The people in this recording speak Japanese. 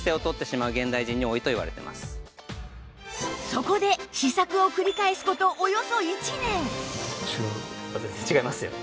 そこで試作を繰り返す事およそ１年違いますよね。